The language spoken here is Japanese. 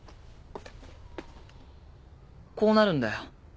こうなるんだよ。